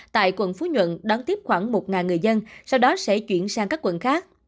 tại quận phú nhuận đón tiếp khoảng một người dân sau đó sẽ chuyển sang các quận khác